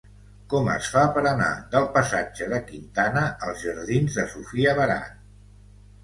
Com es fa per anar del passatge de Quintana als jardins de Sofia Barat?